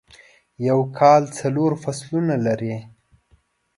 یوکال څلور فصلونه لری